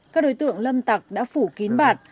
các đối tượng lâm tặc đã phủ kín bạt